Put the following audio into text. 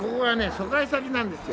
疎開先なんですよ。